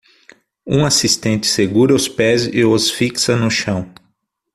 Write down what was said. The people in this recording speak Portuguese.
Um assistente segura os pés e os fixa no chão.